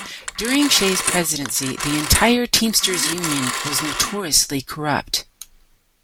During Shea's presidency, the entire Teamsters union was notoriously corrupt.